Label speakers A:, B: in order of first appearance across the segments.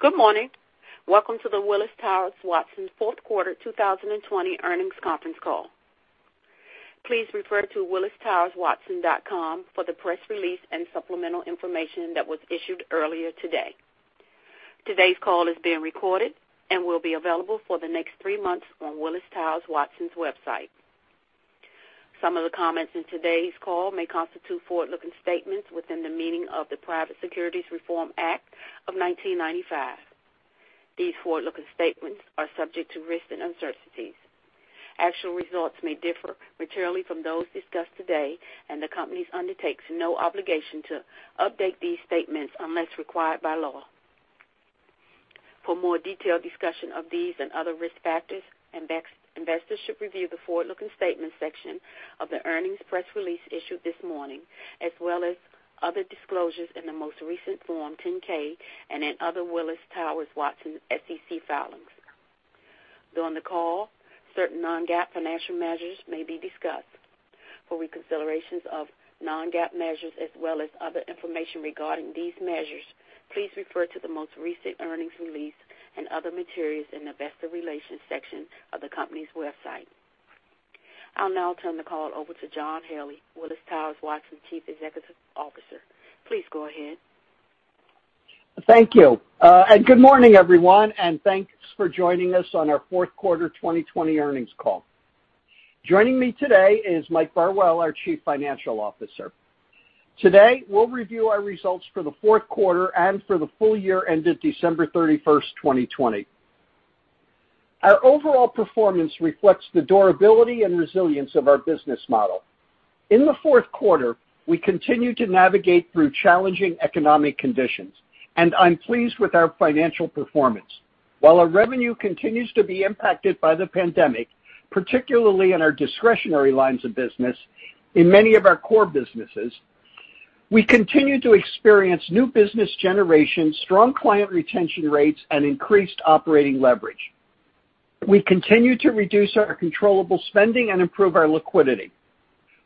A: Good morning. Welcome to the Willis Towers Watson fourth quarter 2020 earnings conference call. Please refer to willistowerswatson.com for the press release and supplemental information that was issued earlier today. Today's call is being recorded and will be available for the next three months on Willis Towers Watson's website. Some of the comments in today's call may constitute forward-looking statements within the meaning of the Private Securities Litigation Reform Act of 1995. These forward-looking statements are subject to risks and uncertainties. Actual results may differ materially from those discussed today, and the company undertakes no obligation to update these statements unless required by law. For more detailed discussion of these and other risk factors, investors should review the forward-looking statements section of the earnings press release issued this morning, as well as other disclosures in the most recent Form 10-K and in other Willis Towers Watson SEC filings. During the call, certain non-GAAP financial measures may be discussed. For reconciliations of non-GAAP measures as well as other information regarding these measures, please refer to the most recent earnings release and other materials in the investor relations section of the company's website. I'll now turn the call over to John Haley, Willis Towers Watson's Chief Executive Officer. Please go ahead.
B: Thank you. Good morning, everyone, and thanks for joining us on our fourth quarter 2020 earnings call. Joining me today is Mike Burwell, our Chief Financial Officer. Today, we'll review our results for the fourth quarter and for the full year ended December 31st, 2020. Our overall performance reflects the durability and resilience of our business model. In the fourth quarter, we continued to navigate through challenging economic conditions, and I'm pleased with our financial performance. While our revenue continues to be impacted by the pandemic, particularly in our discretionary lines of business, in many of our core businesses, we continue to experience new business generation, strong client retention rates, and increased operating leverage. We continue to reduce our controllable spending and improve our liquidity.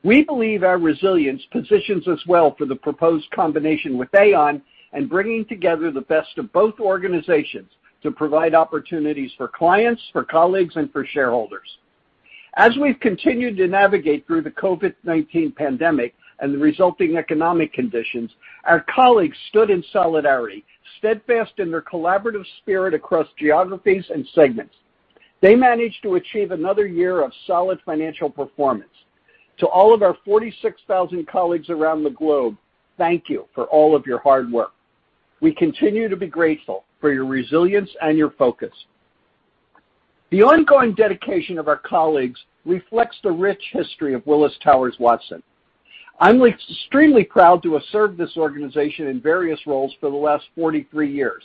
B: We believe our resilience positions us well for the proposed combination with Aon and bringing together the best of both organizations to provide opportunities for clients, for colleagues, and for shareholders. As we've continued to navigate through the COVID-19 pandemic and the resulting economic conditions, our colleagues stood in solidarity, steadfast in their collaborative spirit across geographies and segments. They managed to achieve another year of solid financial performance. To all of our 46,000 colleagues around the globe, thank you for all of your hard work. We continue to be grateful for your resilience and your focus. The ongoing dedication of our colleagues reflects the rich history of Willis Towers Watson. I'm extremely proud to have served this organization in various roles for the last 43 years.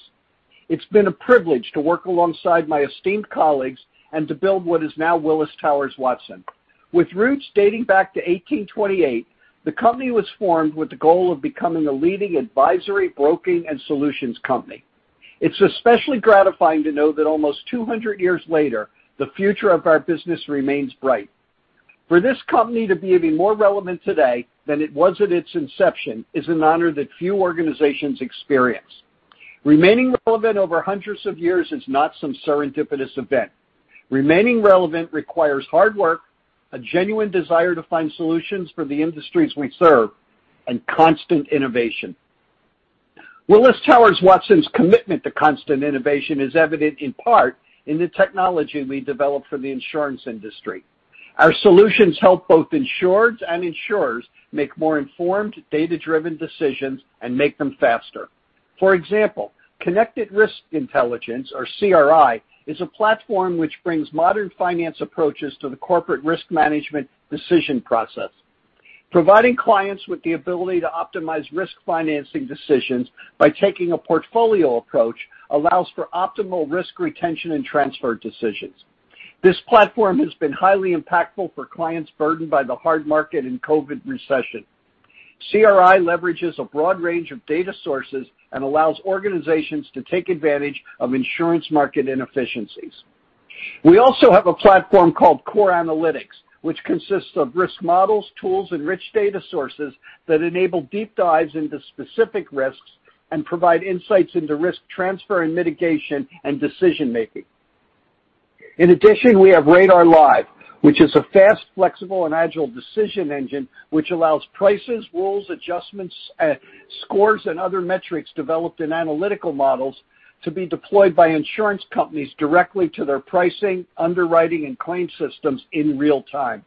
B: It's been a privilege to work alongside my esteemed colleagues and to build what is now Willis Towers Watson. With roots dating back to 1828, the company was formed with the goal of becoming a leading advisory, broking, and solutions company. It's especially gratifying to know that almost 200 years later, the future of our business remains bright. For this company to be even more relevant today than it was at its inception is an honor that few organizations experience. Remaining relevant over hundreds of years is not some serendipitous event. Remaining relevant requires hard work, a genuine desire to find solutions for the industries we serve, and constant innovation. Willis Towers Watson's commitment to constant innovation is evident in part in the technology we develop for the insurance industry. Our solutions help both insureds and insurers make more informed, data-driven decisions and make them faster. For example, Connected Risk Intelligence, or CRI, is a platform which brings modern finance approaches to the corporate risk management decision process. Providing clients with the ability to optimize risk financing decisions by taking a portfolio approach allows for optimal risk retention and transfer decisions. This platform has been highly impactful for clients burdened by the hard market and COVID recession. CRI leverages a broad range of data sources and allows organizations to take advantage of insurance market inefficiencies. We also have a platform called Core Analytics, which consists of risk models, tools, and rich data sources that enable deep dives into specific risks and provide insights into risk transfer and mitigation and decision-making. In addition, we have Radar Live, which is a fast, flexible, and agile decision engine which allows prices, rules, adjustments, scores, and other metrics developed in analytical models to be deployed by insurance companies directly to their pricing, underwriting, and claim systems in real time.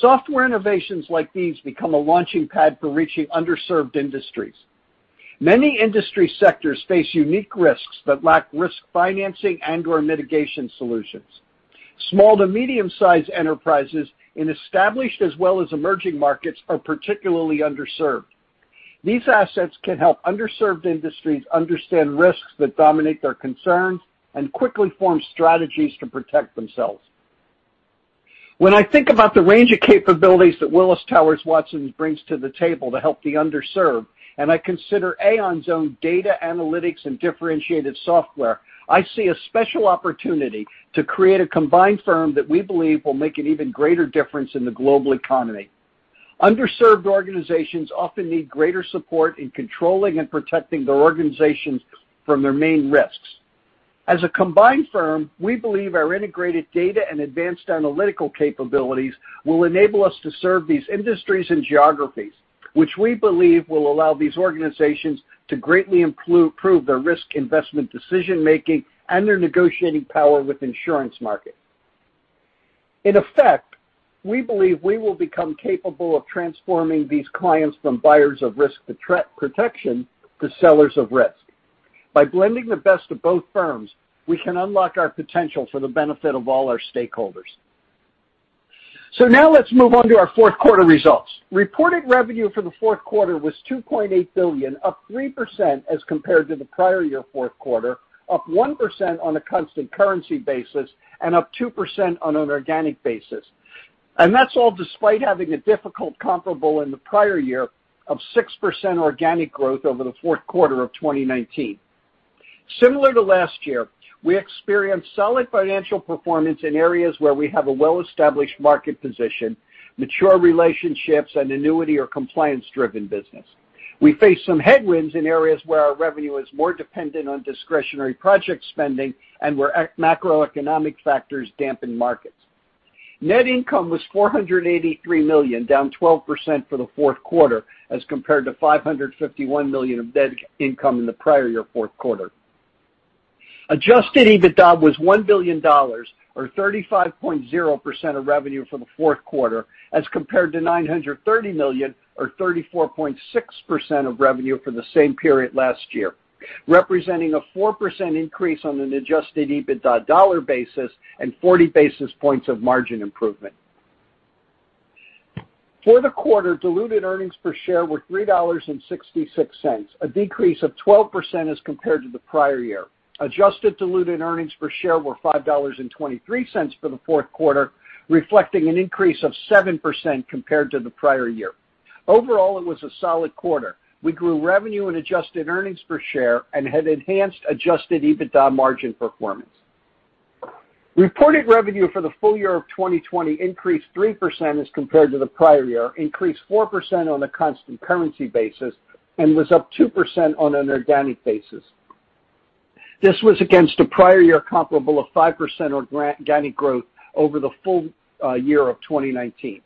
B: Software innovations like these become a launching pad for reaching underserved industries. Many industry sectors face unique risks but lack risk financing and/or mitigation solutions. Small to medium-sized enterprises in established as well as emerging markets are particularly underserved. These assets can help underserved industries understand risks that dominate their concerns and quickly form strategies to protect themselves. When I think about the range of capabilities that Willis Towers Watson brings to the table to help the underserved, and I consider Aon's own data analytics and differentiated software, I see a special opportunity to create a combined firm that we believe will make an even greater difference in the global economy. Underserved organizations often need greater support in controlling and protecting their organizations from their main risks. As a combined firm, we believe our integrated data and advanced analytical capabilities will enable us to serve these industries and geographies, which we believe will allow these organizations to greatly improve their risk investment decision-making and their negotiating power with insurance markets. In effect, we believe we will become capable of transforming these clients from buyers of risk protection to sellers of risk. By blending the best of both firms, we can unlock our potential for the benefit of all our stakeholders. Now let's move on to our fourth quarter results. Reported revenue for the fourth quarter was $2.8 billion, up 3% as compared to the prior year fourth quarter, up 1% on a constant currency basis, and up 2% on an organic basis. That's all despite having a difficult comparable in the prior year of 6% organic growth over the fourth quarter of 2019. Similar to last year, we experienced solid financial performance in areas where we have a well-established market position, mature relationships, and annuity or compliance-driven business. We faced some headwinds in areas where our revenue is more dependent on discretionary project spending and where macroeconomic factors dampen markets. Net income was $483 million, down 12% for the fourth quarter as compared to $551 million of net income in the prior year fourth quarter. Adjusted EBITDA was $1 billion, or 35.0% of revenue for the fourth quarter, as compared to $930 million or 34.6% of revenue for the same period last year, representing a 4% increase on an adjusted EBITDA dollar basis and 40 basis points of margin improvement. For the quarter, diluted earnings per share were $3.66, a decrease of 12% as compared to the prior year. Adjusted diluted earnings per share were $5.23 for the fourth quarter, reflecting an increase of 7% compared to the prior year. Overall, it was a solid quarter. We grew revenue and adjusted earnings per share and had enhanced adjusted EBITDA margin performance. Reported revenue for the full- year of 2020 increased 3% as compared to the prior year, increased 4% on a constant currency basis, and was up 2% on an organic basis. This was against a prior year comparable of 5% organic growth over the full- year of 2019.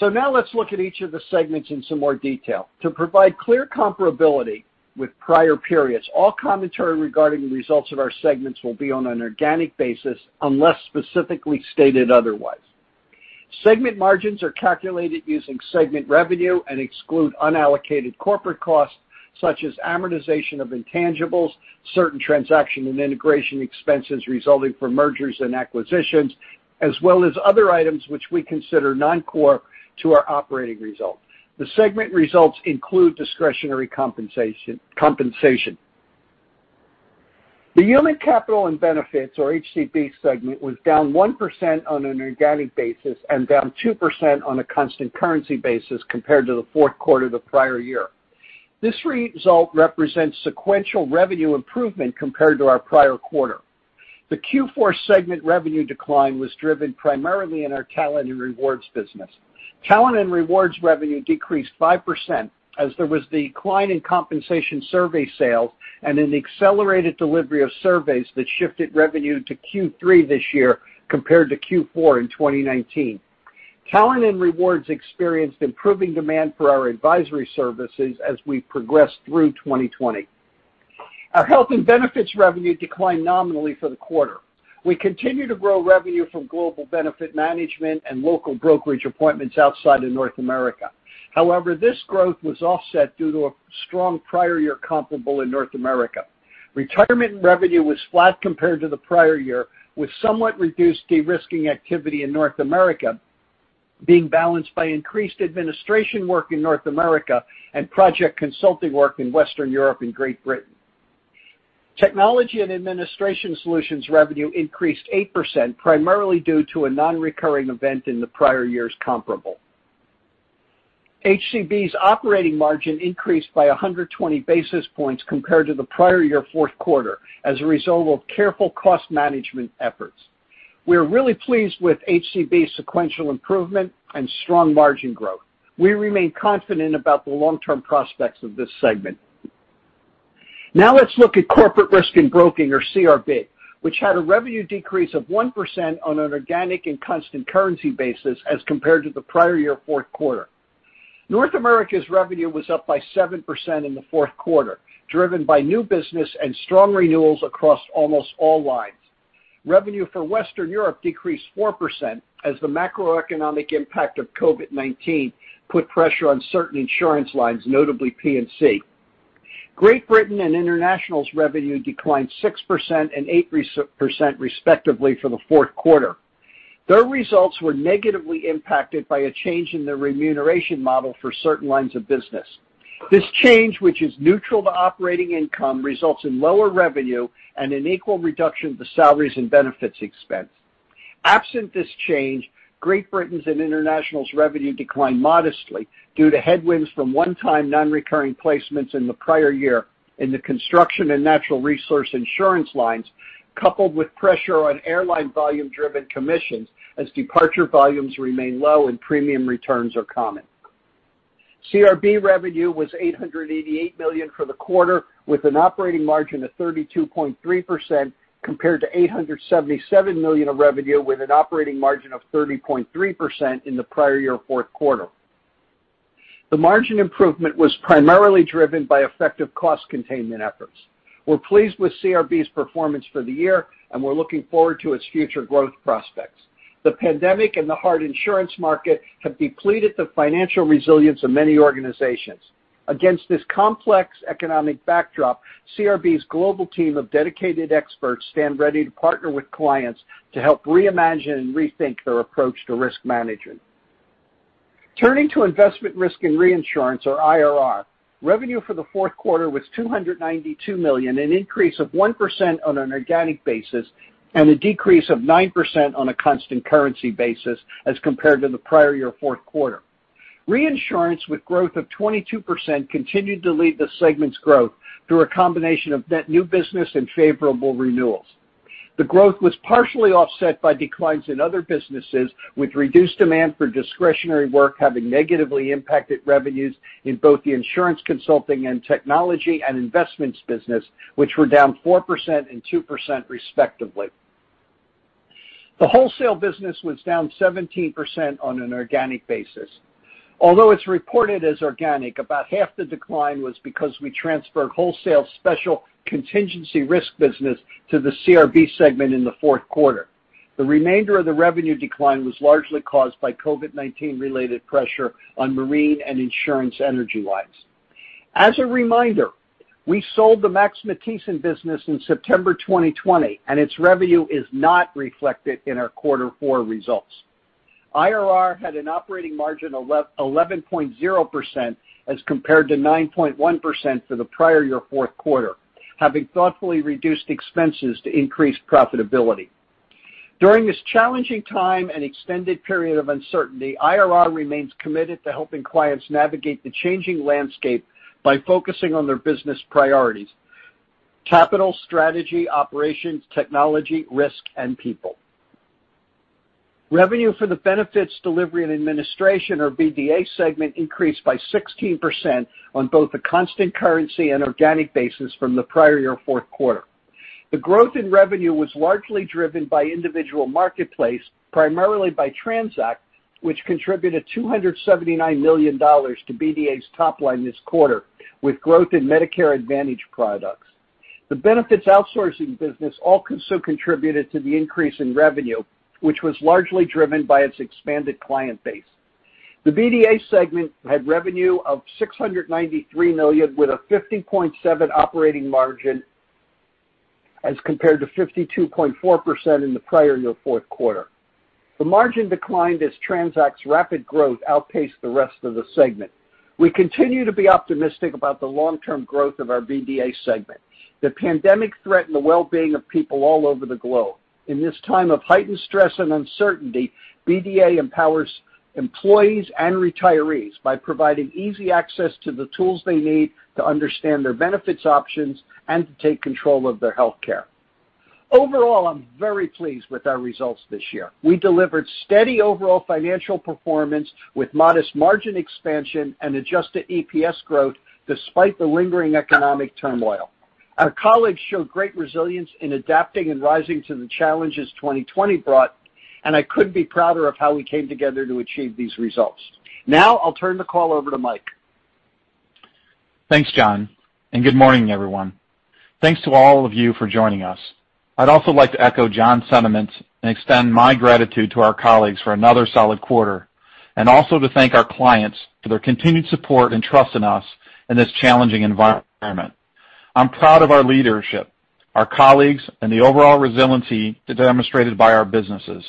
B: Now let's look at each of the segments in some more detail. To provide clear comparability with prior periods, all commentary regarding the results of our segments will be on an organic basis unless specifically stated otherwise. Segment margins are calculated using segment revenue and exclude unallocated corporate costs such as amortization of intangibles, certain transaction and integration expenses resulting from mergers and acquisitions, as well as other items which we consider non-core to our operating results. The segment results include discretionary compensation. The Human Capital and Benefits, or HCB segment, was down 1% on an organic basis and down 2% on a constant currency basis compared to the fourth quarter the prior year. This result represents sequential revenue improvement compared to our prior quarter. The Q4 segment revenue decline was driven primarily in our talent and rewards business. Talent and rewards revenue decreased 5% as there was decline in compensation survey sales and an accelerated delivery of surveys that shifted revenue to Q3 this year compared to Q4 in 2019. Talent and rewards experienced improving demand for our advisory services as we progressed through 2020. Our health and benefits revenue declined nominally for the quarter. We continue to grow revenue from global benefit management and local brokerage appointments outside of North America. However, this growth was offset due to a strong prior year comparable in North America. Retirement revenue was flat compared to the prior year, with somewhat reduced de-risking activity in North America being balanced by increased administration work in North America and project consulting work in Western Europe and Great Britain. Technology and administration solutions revenue increased 8%, primarily due to a non-recurring event in the prior year's comparable. HCB's operating margin increased by 120 basis points compared to the prior year fourth quarter as a result of careful cost management efforts. We are really pleased with HCB's sequential improvement and strong margin growth. We remain confident about the long-term prospects of this segment. Now let's look at Corporate Risk and Broking, or CRB, which had a revenue decrease of 1% on an organic and constant currency basis as compared to the prior year fourth quarter. North America's revenue was up by 7% in the fourth quarter, driven by new business and strong renewals across almost all lines. Revenue for Western Europe decreased 4% as the macroeconomic impact of COVID-19 put pressure on certain insurance lines, notably P&C. Great Britain and International's revenue declined 6% and 8%, respectively, for the fourth quarter. Their results were negatively impacted by a change in their remuneration model for certain lines of business. This change, which is neutral to operating income, results in lower revenue and an equal reduction to salaries and benefits expense. Absent this change, Great Britain's and International's revenue declined modestly due to headwinds from one-time non-recurring placements in the prior year in the construction and natural resource insurance lines. Coupled with pressure on airline volume-driven commissions as departure volumes remain low and premium returns are common. CRB revenue was $888 million for the quarter, with an operating margin of 32.3%, compared to $877 million of revenue with an operating margin of 30.3% in the prior year fourth quarter. The margin improvement was primarily driven by effective cost containment efforts. We're pleased with CRB's performance for the year, and we're looking forward to its future growth prospects. The pandemic and the hard insurance market have depleted the financial resilience of many organizations. Against this complex economic backdrop, CRB's global team of dedicated experts stand ready to partner with clients to help reimagine and rethink their approach to risk management. Turning to Investment, Risk and Reinsurance, or IRR, revenue for the fourth quarter was $292 million, an increase of 1% on an organic basis and a decrease of 9% on a constant currency basis as compared to the prior year fourth quarter. Reinsurance with growth of 22% continued to lead the segment's growth through a combination of net new business and favorable renewals. The growth was partially offset by declines in other businesses, with reduced demand for discretionary work having negatively impacted revenues in both the insurance consulting and technology and investments business, which were down 4% and 2% respectively. The wholesale business was down 17% on an organic basis. Although it's reported as organic, about half the decline was because we transferred wholesale special contingency risk business to the CRB segment in the fourth quarter. The remainder of the revenue decline was largely caused by COVID-19 related pressure on marine and insurance energy-wise. As a reminder, we sold the Max Matthiessen business in September 2020, and its revenue is not reflected in our quarter four results. IRR had an operating margin of 11.0% as compared to 9.1% for the prior year fourth quarter, having thoughtfully reduced expenses to increase profitability. During this challenging time and extended period of uncertainty, IRR remains committed to helping clients navigate the changing landscape by focusing on their business priorities, capital strategy, operations, technology, risk, and people. Revenue for the benefits delivery and administration, or BDA segment, increased by 16% on both a constant currency and organic basis from the prior year fourth quarter. The growth in revenue was largely driven by individual marketplace, primarily by TRANZACT, which contributed $279 million to BDA's top line this quarter, with growth in Medicare Advantage products. The benefits outsourcing business also contributed to the increase in revenue, which was largely driven by its expanded client base. The BDA segment had revenue of $693 million with a 50.7% operating margin as compared to 52.4% in the prior year fourth quarter. The margin declined as TRANZACT's rapid growth outpaced the rest of the segment. We continue to be optimistic about the long-term growth of our BDA segment. The pandemic threatened the well-being of people all over the globe. In this time of heightened stress and uncertainty, BDA empowers employees and retirees by providing easy access to the tools they need to understand their benefits options and to take control of their healthcare. Overall, I'm very pleased with our results this year. We delivered steady overall financial performance with modest margin expansion and adjusted EPS growth despite the lingering economic turmoil. Our colleagues showed great resilience in adapting and rising to the challenges 2020 brought, and I couldn't be prouder of how we came together to achieve these results. Now, I'll turn the call over to Mike.
C: Thanks, John. Good morning, everyone. Thanks to all of you for joining us. I'd also like to echo John's sentiments and extend my gratitude to our colleagues for another solid quarter, and also to thank our clients for their continued support and trust in us in this challenging environment. I'm proud of our leadership, our colleagues, and the overall resiliency demonstrated by our businesses.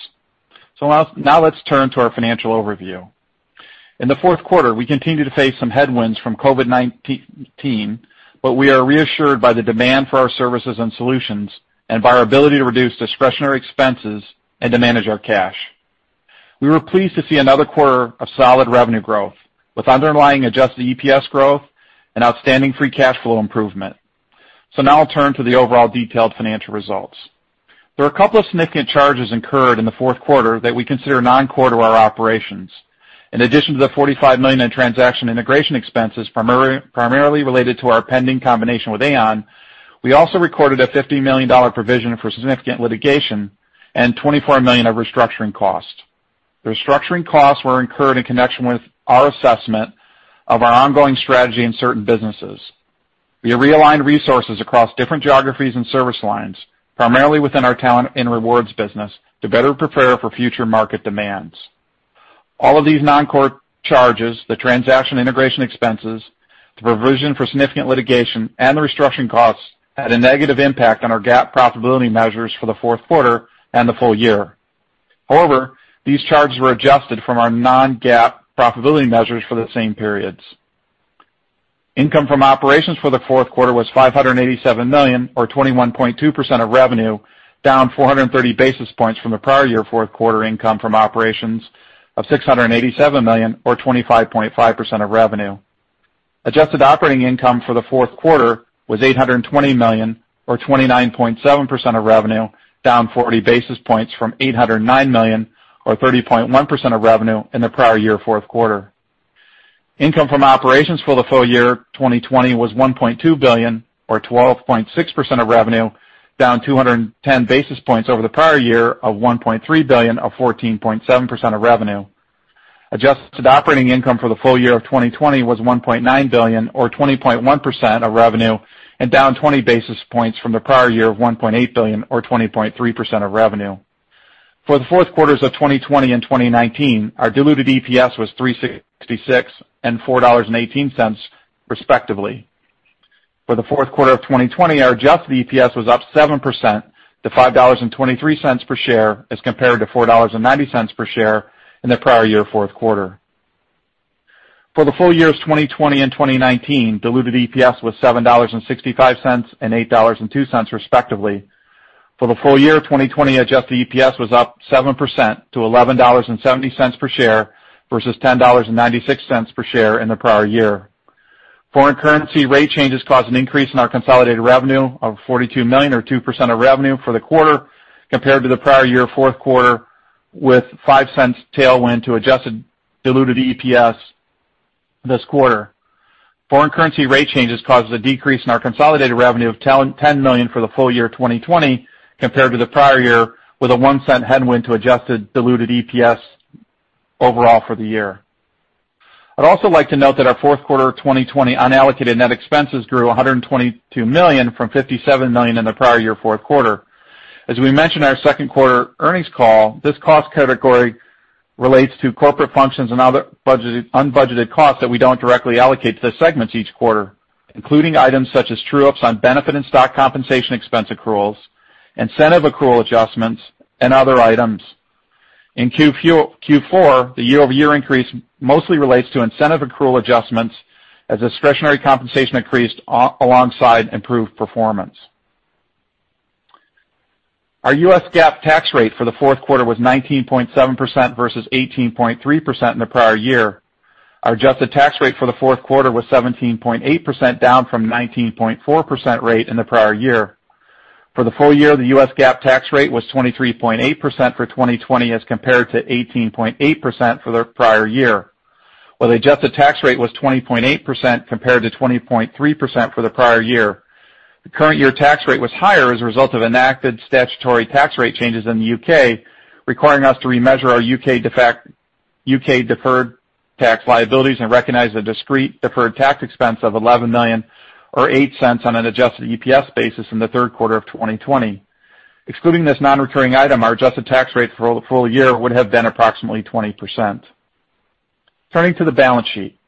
C: Now let's turn to our financial overview. In the fourth quarter, we continued to face some headwinds from COVID-19, we are reassured by the demand for our services and solutions and by our ability to reduce discretionary expenses and to manage our cash. We were pleased to see another quarter of solid revenue growth, with underlying adjusted EPS growth and outstanding free cash flow improvement. Now I'll turn to the overall detailed financial results. There are a couple of significant charges incurred in the fourth quarter that we consider non-core to our operations. In addition to the $45 million in transaction integration expenses primarily related to our pending combination with Aon, we also recorded a $50 million provision for significant litigation and $24 million of restructuring costs. The restructuring costs were incurred in connection with our assessment of our ongoing strategy in certain businesses. We have realigned resources across different geographies and service lines, primarily within our talent and rewards business, to better prepare for future market demands. All of these non-core charges, the transaction integration expenses, the provision for significant litigation, and the restructuring costs, had a negative impact on our GAAP profitability measures for the fourth quarter and the full- year. However, these charges were adjusted from our non-GAAP profitability measures for the same periods. Income from operations for the fourth quarter was $587 million or 21.2% of revenue, down 430 basis points from the prior year fourth quarter income from operations of $687 million or 25.5% of revenue. Adjusted operating income for the fourth quarter was $820 million or 29.7% of revenue, down 40 basis points from $809 million or 30.1% of revenue in the prior year fourth quarter. Income from operations for the full- year 2020 was $1.2 billion or 12.6% of revenue, down 210 basis points over the prior year of $1.3 billion or 14.7% of revenue. Adjusted operating income for the full- year of 2020 was $1.9 billion or 20.1% of revenue and down 20 basis points from the prior year of $1.8 billion or 20.3% of revenue. For the fourth quarters of 2020 and 2019, our diluted EPS was $3.66 and $4.18 respectively. For the fourth quarter of 2020, our adjusted EPS was up 7% to $5.23 per share as compared to $4.90 per share in the prior year fourth quarter. For the full- years 2020 and 2019, diluted EPS was $7.65 and $8.02 respectively. For the full- year of 2020, adjusted EPS was up 7% to $11.70 per share versus $10.96 per share in the prior year. Foreign currency rate changes caused an increase in our consolidated revenue of $42 million or 2% of revenue for the quarter compared to the prior year fourth quarter with $0.05 tailwind to adjusted diluted EPS this quarter. Foreign currency rate changes caused a decrease in our consolidated revenue of $10 million for the full- year 2020 compared to the prior year with a $0.01 headwind to adjusted diluted EPS overall for the year. I'd also like to note that our fourth quarter 2020 unallocated net expenses grew $122 million from $57 million in the prior year fourth quarter. As we mentioned in our second quarter earnings call, this cost category relates to corporate functions and other unbudgeted costs that we don't directly allocate to the segments each quarter, including items such as true-ups on benefit and stock compensation expense accruals, incentive accrual adjustments, and other items. In Q4, the year-over-year increase mostly relates to incentive accrual adjustments as discretionary compensation increased alongside improved performance. Our U.S. GAAP tax rate for the fourth quarter was 19.7% versus 18.3% in the prior year. Our adjusted tax rate for the fourth quarter was 17.8%, down from 19.4% rate in the prior year. For the full- year, the U.S. GAAP tax rate was 23.8% for 2020 as compared to 18.8% for the prior year, while the adjusted tax rate was 20.8% compared to 20.3% for the prior year. The current year tax rate was higher as a result of enacted statutory tax rate changes in the U.K., requiring us to remeasure our U.K. deferred tax liabilities and recognize the discrete deferred tax expense of $11 million or $0.08 on an adjusted EPS basis in the third quarter of 2020. Excluding this non-recurring item, our adjusted tax rate for the full- year would have been approximately 20%. Turning to the balance sheet.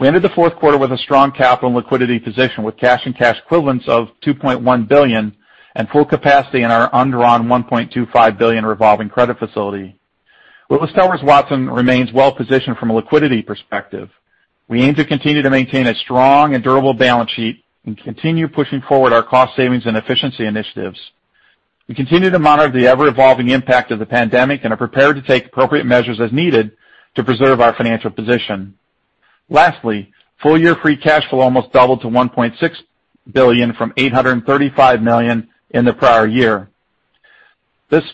C: We ended the fourth quarter with a strong capital and liquidity position with cash and cash equivalents of $2.1 billion and full capacity in our undrawn $1.25 billion revolving credit facility. Willis Towers Watson remains well-positioned from a liquidity perspective. We aim to continue to maintain a strong and durable balance sheet and continue pushing forward our cost savings and efficiency initiatives. We continue to monitor the ever-evolving impact of the pandemic and are prepared to take appropriate measures as needed to preserve our financial position. Lastly, full-year free cash flow almost doubled to $1.6 billion from $835 million in the prior year. This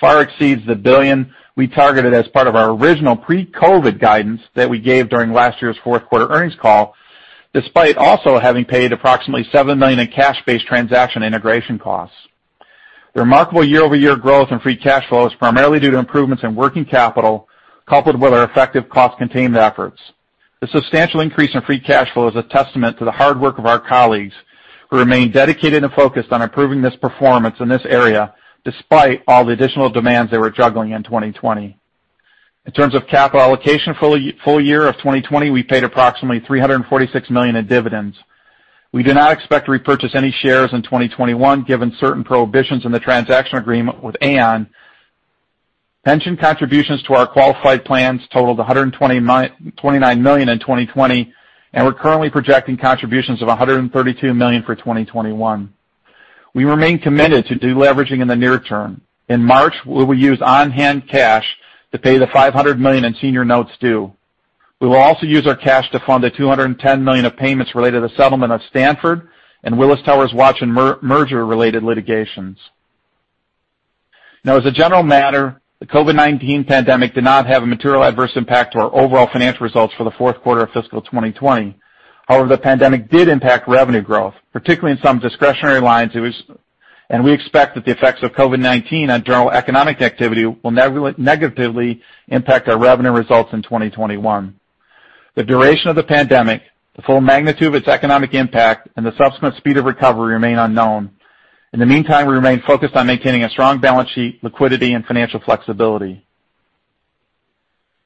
C: far exceeds the $1 billion we targeted as part of our original pre-COVID guidance that we gave during last year's fourth quarter earnings call, despite also having paid approximately $7 million in cash-based transaction integration costs. The remarkable year-over-year growth in free cash flow is primarily due to improvements in working capital coupled with our effective cost containment efforts. The substantial increase in free cash flow is a testament to the hard work of our colleagues who remain dedicated and focused on improving this performance in this area despite all the additional demands they were juggling in 2020. In terms of capital allocation full- year of 2020, we paid approximately $346 million in dividends. We do not expect to repurchase any shares in 2021 given certain prohibitions in the transaction agreement with Aon. Pension contributions to our qualified plans totaled $129 million in 2020. We're currently projecting contributions of $132 million for 2021. We remain committed to de-leveraging in the near- term. In March, we will use on-hand cash to pay the $500 million in senior notes due. We will also use our cash to fund the $210 million of payments related to settlement of Stanford and Willis Towers Watson merger-related litigations. As a general matter, the COVID-19 pandemic did not have a material adverse impact to our overall financial results for the fourth quarter of fiscal 2020. The pandemic did impact revenue growth, particularly in some discretionary lines, and we expect that the effects of COVID-19 on general economic activity will negatively impact our revenue results in 2021. The duration of the pandemic, the full magnitude of its economic impact, and the subsequent speed of recovery remain unknown. In the meantime, we remain focused on maintaining a strong balance sheet, liquidity, and financial flexibility.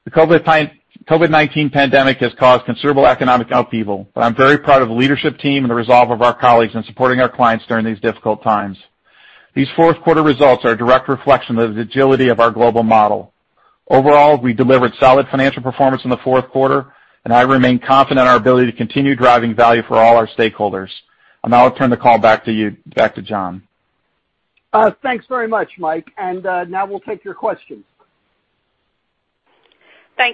C: The COVID-19 pandemic has caused considerable economic upheaval, I'm very proud of the leadership team and the resolve of our colleagues in supporting our clients during these difficult times. These fourth quarter results are a direct reflection of the agility of our global model. Overall, we delivered solid financial performance in the fourth quarter, and I remain confident in our ability to continue driving value for all our stakeholders. I'll now turn the call back to John.
B: Thanks very much, Mike, and now we'll take your questions.
A: Our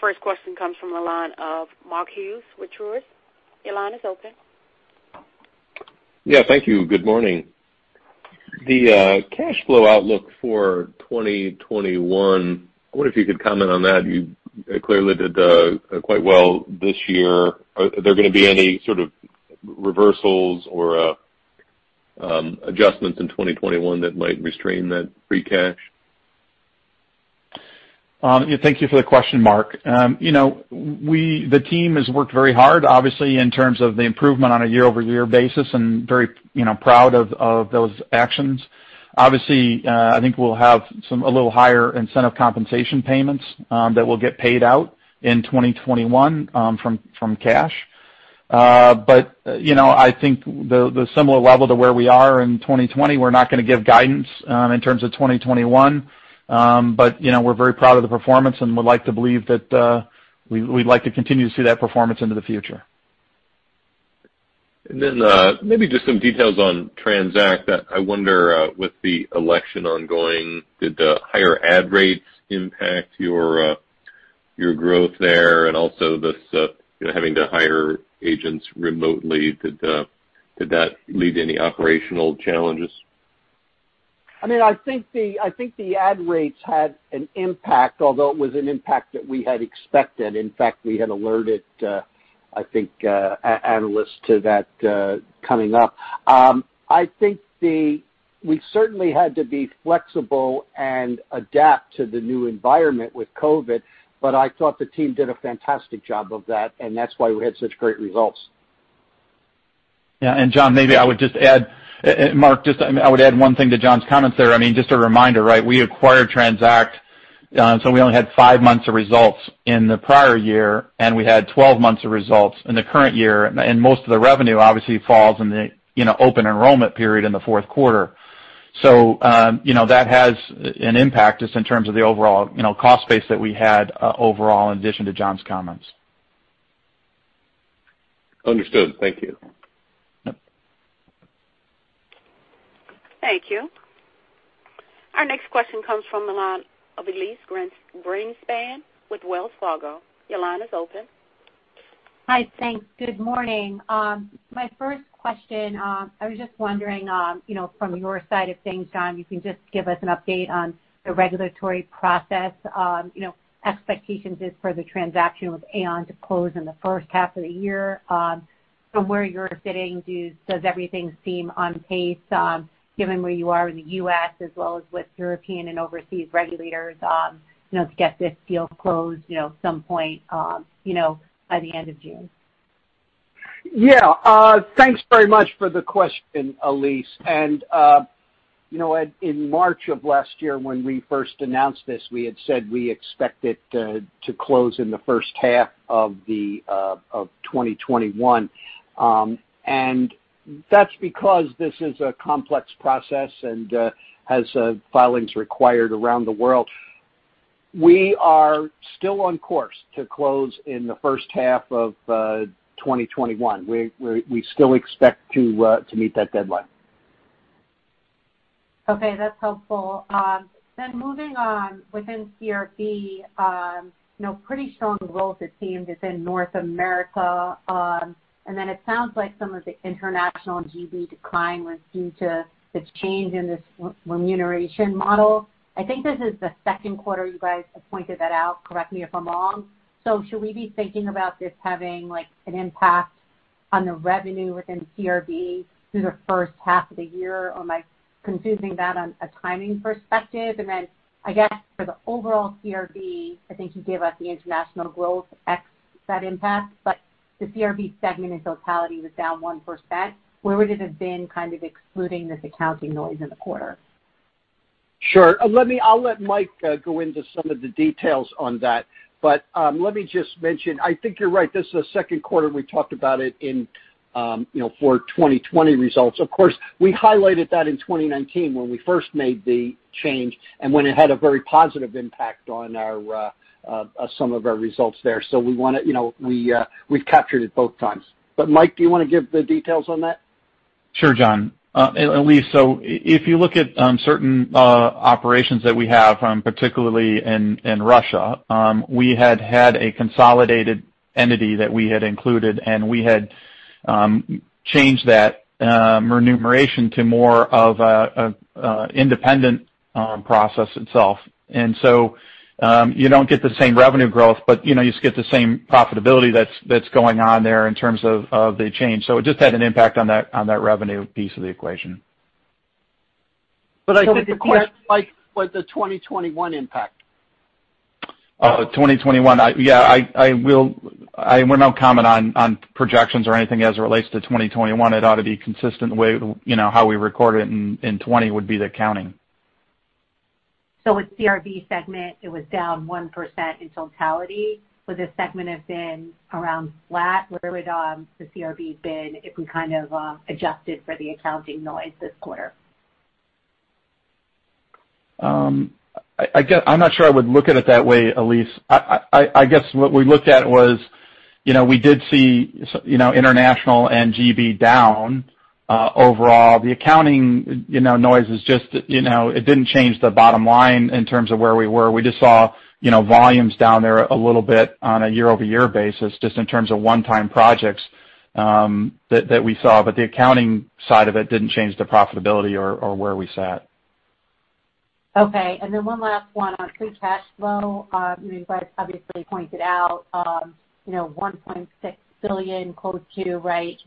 A: first question comes from the line of Mark Hughes with Truist. Your line is open.
D: Yeah, thank you. Good morning. The cash flow outlook for 2021, I wonder if you could comment on that. You clearly did quite well this year. Are there going to be any sort of reversals or adjustments in 2021 that might restrain that free cash?
C: Thank you for the question, Mark. The team has worked very hard, obviously, in terms of the improvement on a year-over-year basis and very proud of those actions. I think we'll have a little higher incentive compensation payments that will get paid out in 2021 from cash. I think the similar level to where we are in 2020, we're not going to give guidance in terms of 2021. We're very proud of the performance and would like to believe that we'd like to continue to see that performance into the future.
D: Maybe just some details on TRANZACT that I wonder with the election ongoing, did the higher ad rates impact your growth there? This having to hire agents remotely, did that lead to any operational challenges?
B: I think the ad rates had an impact, although it was an impact that we had expected. In fact, we had alerted, I think, analysts to that coming up. I think we certainly had to be flexible and adapt to the new environment with COVID, but I thought the team did a fantastic job of that, and that's why we had such great results.
C: Yeah. John, maybe I would just add, Mark, I would add one thing to John's comments there. Just a reminder, we acquired TRANZACT, so we only had 5 months of results in the prior year, and we had 12 months of results in the current year. Most of the revenue obviously falls in the open enrollment period in the fourth quarter. That has an impact just in terms of the overall cost base that we had overall, in addition to John's comments.
D: Understood. Thank you.
C: Yep.
A: Thank you. Our next question comes from the line of Elyse Greenspan with Wells Fargo. Your line is open.
E: Hi, thanks. Good morning. My first question, I was just wondering from your side of things, John, you can just give us an update on the regulatory process. Expectations is for the transaction with Aon to close in the first half of the year. From where you're sitting, does everything seem on pace given where you are in the U.S. as well as with European and overseas regulators to get this deal closed at some point by the end of June?
B: Yeah. Thanks very much for the question, Elyse. In March of last year, when we first announced this, we had said we expect it to close in the first half of 2021. That's because this is a complex process and has filings required around the world. We are still on course to close in the first half of 2021. We still expect to meet that deadline.
E: Okay, that's helpful. Moving on within CRB, pretty strong growth it seems within North America. It sounds like some of the international GB decline was due to the change in this remuneration model. I think this is the second quarter you guys have pointed that out, correct me if I'm wrong. Should we be thinking about this having an impact on the revenue within CRB through the first half of the year? Am I confusing that on a timing perspective? I guess for the overall CRB, I think you gave us the international growth ex that impact, but the CRB segment in totality was down 1%. Where would it have been kind of excluding this accounting noise in the quarter?
B: Sure. I'll let Mike go into some of the details on that. Let me just mention, I think you're right. This is the second quarter we talked about it for 2020 results. Of course, we highlighted that in 2019 when we first made the change and when it had a very positive impact on some of our results there. So we've captured it both times. Mike, do you want to give the details on that?
C: Sure, John. Elise, if you look at certain operations that we have, particularly in Russia, we had had a consolidated entity that we had included, and we had changed that remuneration to more of a independent process itself. You don't get the same revenue growth, but you still get the same profitability that's going on there in terms of the change. It just had an impact on that revenue piece of the equation.
B: But I think you can-
E: So the question-
B: Mike, what the 2021 impact?
C: 2021. Yeah, I will not comment on projections or anything as it relates to 2021. It ought to be consistent the way how we record it in 2020 would be the accounting.
E: With CRB segment, it was down 1% in totality. Would the segment have been around flat? Where would the CRB been if we kind of adjusted for the accounting noise this quarter?
C: I'm not sure I would look at it that way, Elyse. I guess what we looked at was we did see international and GB down overall. The accounting noise it didn't change the bottom line in terms of where we were. We just saw volumes down there a little bit on a year-over-year basis, just in terms of one-time projects that we saw. The accounting side of it didn't change the profitability or where we sat.
E: Okay. one last one on free cash flow. You guys obviously pointed out, $1.6 billion,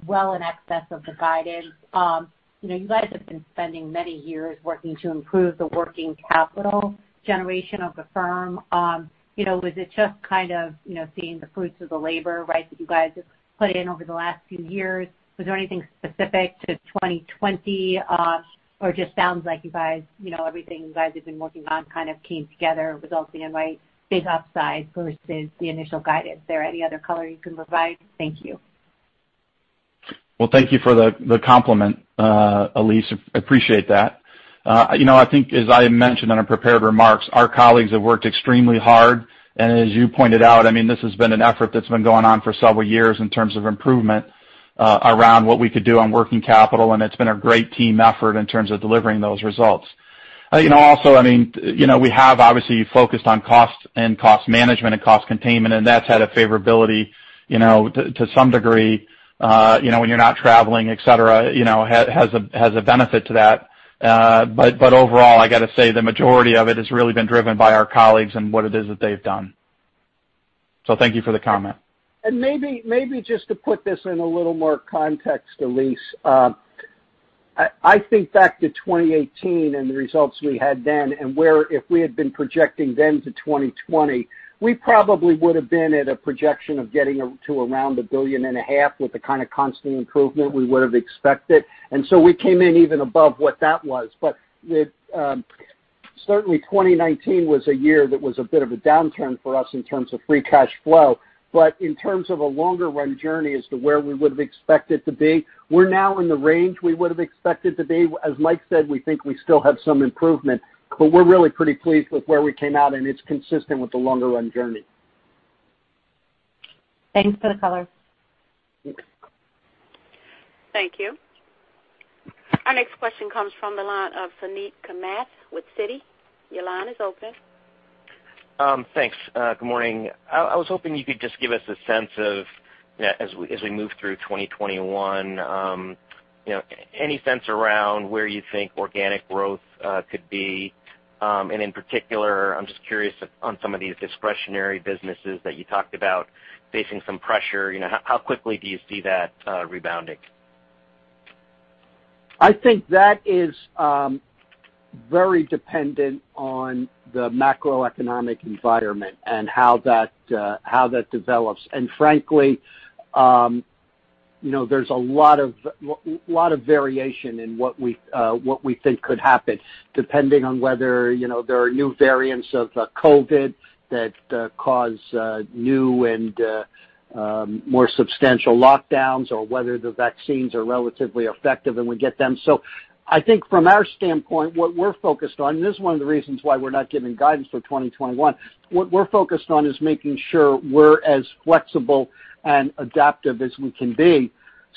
E: well in excess of the guidance. You guys have been spending many years working to improve the working capital generation of the firm. Was it just kind of seeing the fruits of the labor that you guys have put in over the last few years? Was there anything specific to 2020? just sounds like everything you guys have been working on kind of came together, resulting in big upside versus the initial guidance. Is there any other color you can provide? Thank you.
C: Well, thank you for the compliment, Elyse. I appreciate that. I think as I had mentioned in our prepared remarks, our colleagues have worked extremely hard. As you pointed out, this has been an effort that's been going on for several years in terms of improvement around what we could do on working capital, and it's been a great team effort in terms of delivering those results. Also, we have obviously focused on cost and cost management and cost containment, and that's had a favorability to some degree. When you're not traveling, et cetera, has a benefit to that. Overall, I got to say the majority of it has really been driven by our colleagues and what it is that they've done. Thank you for the comment.
B: Maybe just to put this in a little more context, Elyse. I think back to 2018 and the results we had then, and where if we had been projecting then to 2020, we probably would have been at a projection of getting to around a billion and a half with the kind of constant improvement we would have expected. We came in even above what that was. Certainly 2019 was a year that was a bit of a downturn for us in terms of free cash flow. In terms of a longer-run journey as to where we would have expected to be, we're now in the range we would have expected to be. As Mike said, we think we still have some improvement, but we're really pretty pleased with where we came out, and it's consistent with the longer-run journey.
E: Thanks for the color.
B: Okay.
A: Thank you. Our next question comes from the line of Suneet Kamath with Citi. Your line is open.
F: Thanks. Good morning. I was hoping you could just give us a sense of, as we move through 2021, any sense around where you think organic growth could be. In particular, I'm just curious on some of these discretionary businesses that you talked about facing some pressure, how quickly do you see that rebounding?
B: I think that is very dependent on the macroeconomic environment and how that develops. Frankly, there's a lot of variation in what we think could happen, depending on whether there are new variants of COVID that cause new and more substantial lockdowns or whether the vaccines are relatively effective and we get them. I think from our standpoint, what we're focused on, this is one of the reasons why we're not giving guidance for 2021. What we're focused on is making sure we're as flexible and adaptive as we can be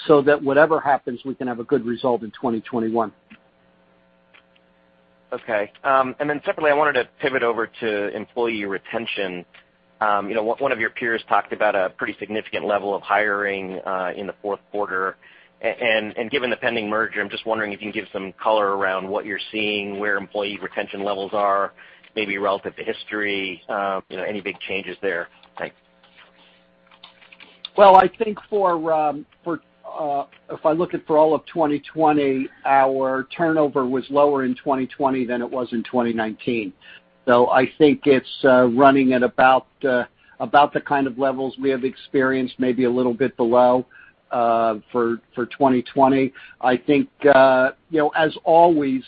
B: so that whatever happens, we can have a good result in 2021.
F: Okay. Separately, I wanted to pivot over to employee retention. One of your peers talked about a pretty significant level of hiring in the fourth quarter. Given the pending merger, I'm just wondering if you can give some color around what you're seeing, where employee retention levels are, maybe relative to history, any big changes there? Thanks.
B: Well, I think if I look at for all of 2020, our turnover was lower in 2020 than it was in 2019. I think it's running at about the kind of levels we have experienced, maybe a little bit below, for 2020. I think, as always,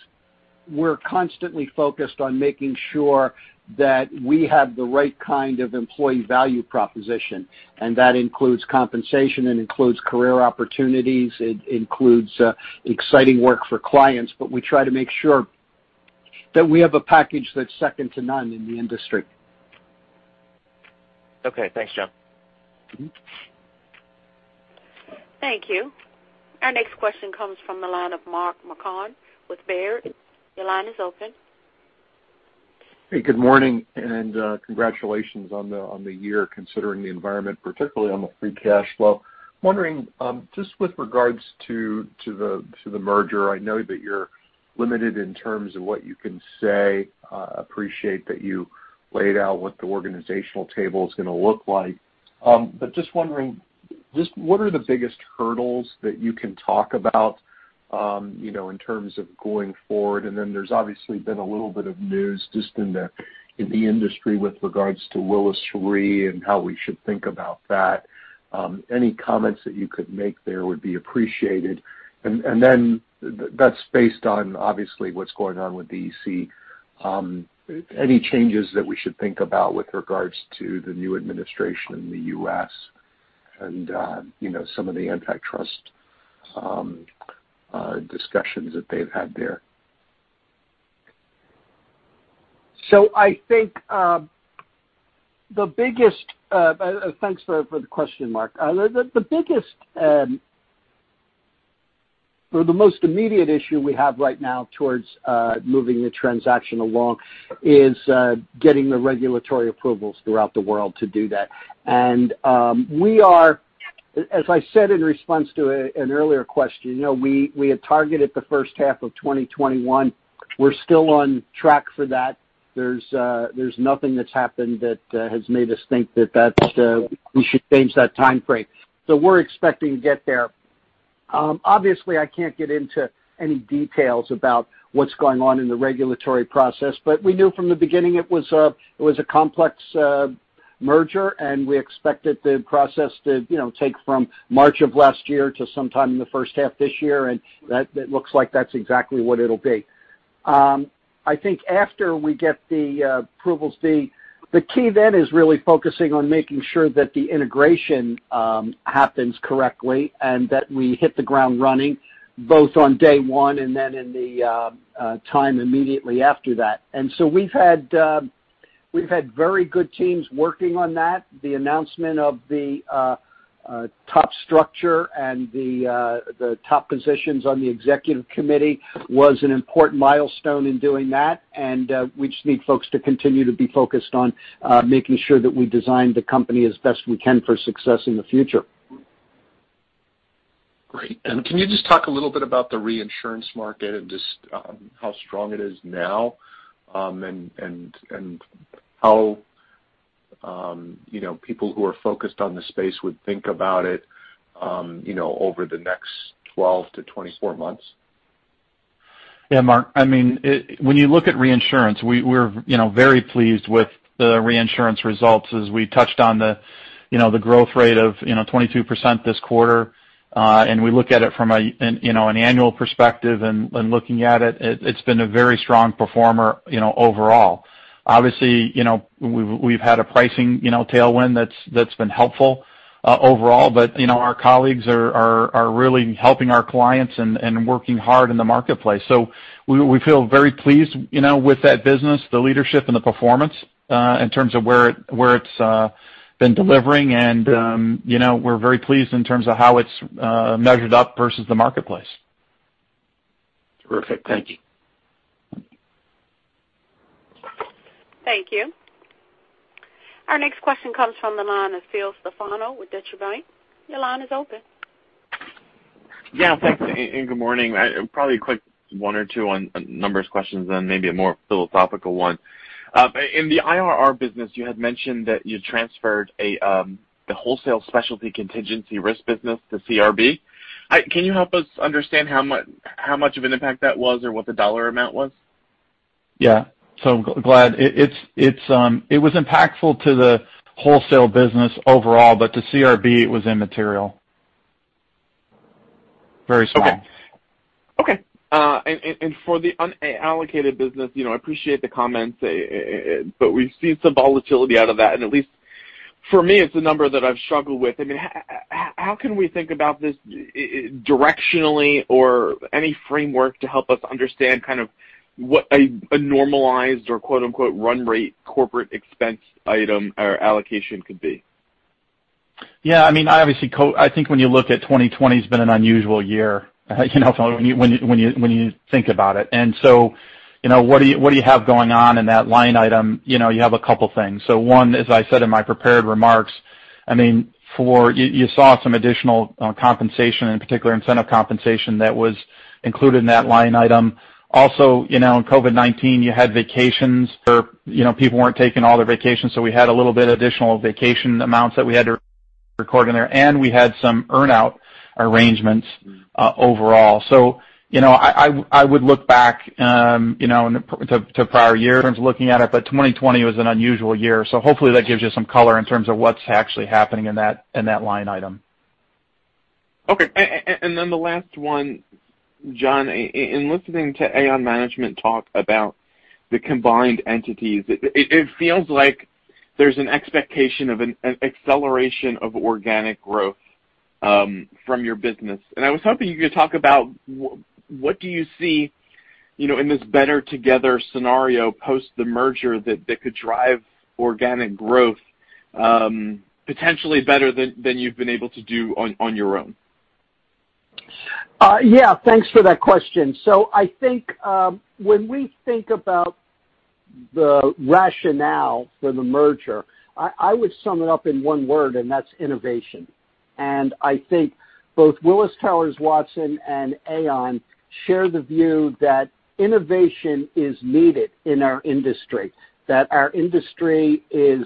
B: we're constantly focused on making sure that we have the right kind of employee value proposition, and that includes compensation and includes career opportunities. It includes exciting work for clients, we try to make sure that we have a package that's second to none in the industry.
F: Okay. Thanks, John.
A: Thank you. Our next question comes from the line of Mark Marcon with Baird. Your line is open.
G: Hey, good morning, congratulations on the year, considering the environment, particularly on the free cash flow. Wondering just with regards to the merger, I know that you're limited in terms of what you can say. Appreciate that you laid out what the organizational table is going to look like. Just wondering, just what are the biggest hurdles that you can talk about in terms of going forward? There's obviously been a little bit of news just in the industry with regards to Willis Re and how we should think about that. Any comments that you could make there would be appreciated. That's based on obviously what's going on with the EC. Any changes that we should think about with regards to the new administration in the U.S. and some of the antitrust discussions that they've had there?
B: Thanks for the question, Mark. The biggest or the most immediate issue we have right now towards moving the transaction along is getting the regulatory approvals throughout the world to do that. We are, as I said in response to an earlier question, we had targeted the first half of 2021. We're still on track for that. There's nothing that's happened that has made us think that we should change that time frame. We're expecting to get there. Obviously, I can't get into any details about what's going on in the regulatory process, but we knew from the beginning it was a complex merger, and we expected the process to take from March of last year to sometime in the first half this year, and it looks like that's exactly what it'll be. I think after we get the approvals, the key then is really focusing on making sure that the integration happens correctly and that we hit the ground running, both on day one and then in the time immediately after that. We've had very good teams working on that. The announcement of the top structure and the top positions on the executive committee was an important milestone in doing that. We just need folks to continue to be focused on making sure that we design the company as best we can for success in the future.
G: Great. Can you just talk a little bit about the reinsurance market and just how strong it is now, and how people who are focused on the space would think about it over the next 12 to 24 months?
C: Yeah, Mark. When you look at reinsurance, we're very pleased with the reinsurance results as we touched on the growth rate of 22% this quarter. We look at it from an annual perspective, and looking at it's been a very strong performer overall. Obviously, we've had a pricing tailwind that's been helpful overall. Our colleagues are really helping our clients and working hard in the marketplace. We feel very pleased with that business, the leadership, and the performance in terms of where it's been delivering, and we're very pleased in terms of how it's measured up versus the marketplace.
G: Perfect. Thank you.
A: Thank you. Our next question comes from the line of Philip Stefano with Deutsche Bank. Your line is open.
H: Thanks, and good morning. Probably a quick one or two on numbers questions, then maybe a more philosophical one. In the IRR business, you had mentioned that you transferred the wholesale specialty contingency risk business to CRB. Can you help us understand how much of an impact that was or what the dollar amount was?
C: Yeah. Glad. It was impactful to the wholesale business overall, but to CRB, it was immaterial, very small.
H: Okay. For the unallocated business, I appreciate the comments, but we've seen some volatility out of that, and at least for me, it's a number that I've struggled with. How can we think about this directionally or any framework to help us understand what a normalized or quote unquote "run rate corporate expense item or allocation could be?
C: Yeah. Obviously, I think when you look at 2020, it's been an unusual year when you think about it. What do you have going on in that line item? You have a couple things. One, as I said in my prepared remarks, you saw some additional compensation, in particular incentive compensation that was included in that line item. Also, in COVID-19, you had vacations where people weren't taking all their vacations, so we had a little bit of additional vacation amounts that we had to record in there, and we had some earn-out arrangements overall. I would look back to prior years in terms of looking at it, but 2020 was an unusual year, so hopefully that gives you some color in terms of what's actually happening in that line item.
H: Okay. The last one, John, in listening to Aon management talk about the combined entities, it feels like there's an expectation of an acceleration of organic growth from your business. I was hoping you could talk about what do you see in this better together scenario post the merger that could drive organic growth potentially better than you've been able to do on your own?
B: Yeah. Thanks for that question. I think when we think about the rationale for the merger, I would sum it up in one word, and that's innovation. I think both Willis Towers Watson and Aon share the view that innovation is needed in our industry, that our industry is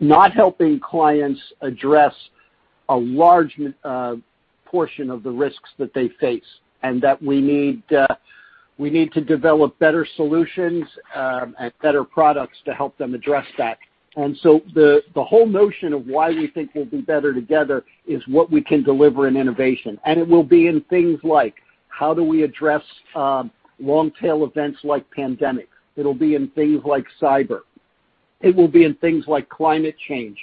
B: not helping clients address a large portion of the risks that they face, and that we need to develop better solutions and better products to help them address that. The whole notion of why we think we'll be better together is what we can deliver in innovation. It will be in things like how do we address long-tail events like pandemics. It'll be in things like cyber. It will be in things like climate change.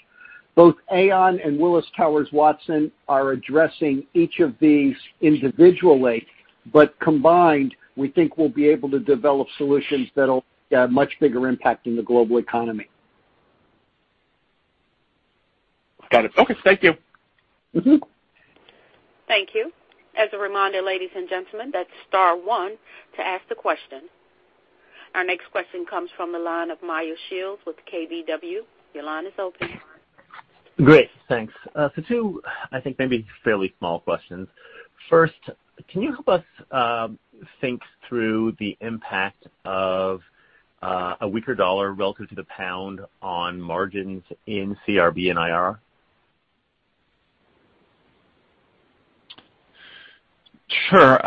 B: Both Aon and Willis Towers Watson are addressing each of these individually, but combined, we think we'll be able to develop solutions that'll have much bigger impact in the global economy.
H: Got it. Okay. Thank you.
A: Thank you. As a reminder, ladies and gentlemen, that is star one to ask the question. Our next question comes from the line of Meyer Shields with KBW. Your line is open.
I: Great. Thanks. Two, I think maybe fairly small questions. First, can you help us think through the impact of a weaker dollar relative to the pound on margins in CRB and IR?
C: Sure.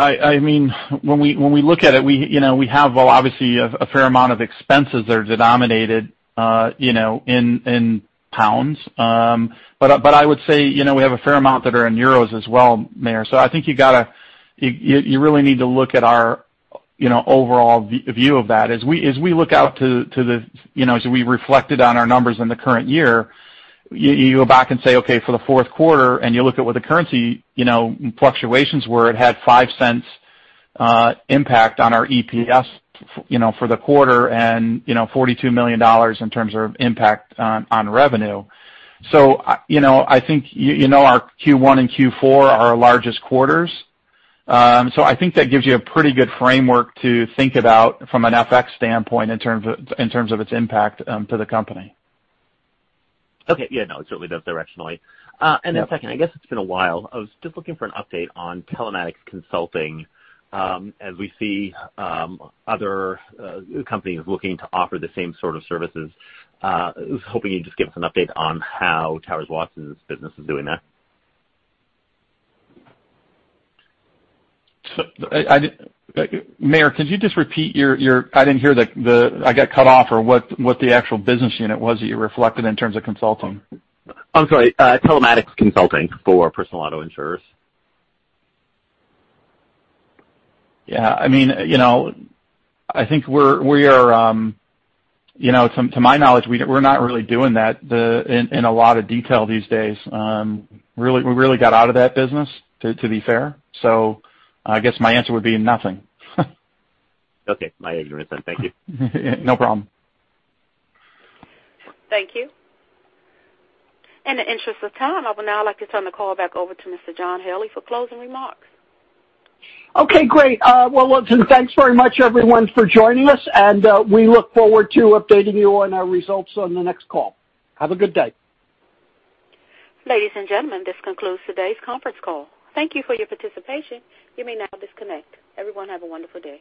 C: When we look at it, we have, well, obviously, a fair amount of expenses that are denominated in pounds. I would say, we have a fair amount that are in euros as well, Meyer. I think you really need to look at our overall view of that. As we reflected on our numbers in the current year, you go back and say, okay, for the fourth quarter and you look at what the currency fluctuations were, it had $0.05 impact on our EPS for the quarter and $42 million in terms of impact on revenue. You know our Q1 and Q4 are our largest quarters. I think that gives you a pretty good framework to think about from an FX standpoint in terms of its impact to the company.
I: Okay. Yeah, no, certainly directionally.
C: Yeah.
I: Second, I guess it's been a while. I was just looking for an update on Telematics Consulting. As we see other companies looking to offer the same sort of services, I was hoping you'd just give us an update on how Towers Watson's business is doing there.
C: Meyer, could you just repeat your? I didn't hear. I got cut off or what the actual business unit was that you reflected in terms of consulting.
I: I'm sorry. Telematics Consulting for personal auto insurers.
C: Yeah. To my knowledge, we're not really doing that in a lot of detail these days. We really got out of that business, to be fair. I guess my answer would be nothing.
I: Okay. My ignorance then. Thank you.
C: No problem.
A: Thank you. In the interest of time, I would now like to turn the call back over to Mr. John Haley for closing remarks.
B: Okay, great. Well, listen, thanks very much everyone for joining us. We look forward to updating you on our results on the next call. Have a good day.
A: Ladies and gentlemen, this concludes today's conference call. Thank you for your participation. You may now disconnect. Everyone have a wonderful day.